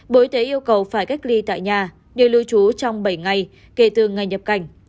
bộ y tế yêu cầu phải cách ly tại nhà nơi lưu trú trong bảy ngày kể từ ngày nhập cảnh